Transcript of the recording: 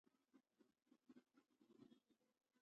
پروژه د مختلفو ژبو د ملاتړ لپاره جوړه شوې ده.